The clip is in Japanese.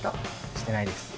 してないです